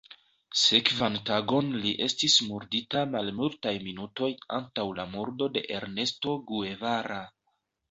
Sekvan tagon li estis murdita malmultaj minutoj antaŭ la murdo de Ernesto Guevara.